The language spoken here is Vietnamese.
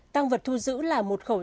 tăng vật thu giữ là một khẩu